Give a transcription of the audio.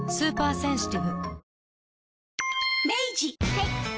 はい。